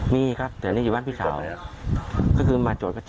มีครับที่มีแทนค